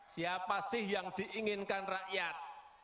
siapa sih yang diinginkan rakyat